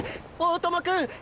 大友君！